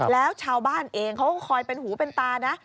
แล้วชาวบ้านเองเขาก็คอยเป็นหูเป็นตานะ